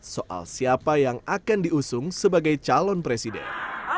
soal siapa yang akan diusung sebagai calon presiden